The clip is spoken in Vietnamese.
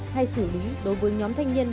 hay xử lý đối với nhóm thanh nhân